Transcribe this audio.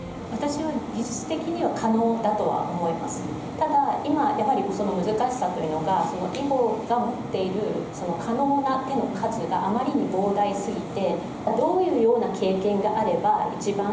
ただ今やはり難しさというのが囲碁が持っている可能な手の数があまりに膨大すぎて。